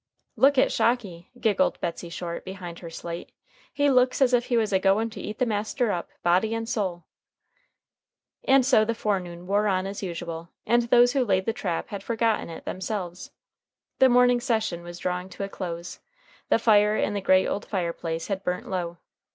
"Look at Shocky," giggled Betsey Short, behind her slate. "He looks as if he was a goin' to eat the master up, body and soul." And so the forenoon wore on as usual, and those who laid the trap had forgotten it, themselves. The morning session was drawing to a close. The fire in the great old fire place had burnt low.